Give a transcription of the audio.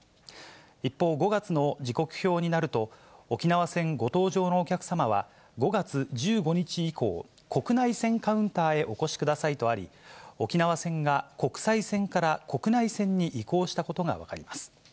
一方、５月の時刻表になると、沖縄線ご搭乗のお客様は、５月１５日以降、国内線カウンターへお越しくださいとあり、沖縄線が国際線から国内線に移行したことが分かります。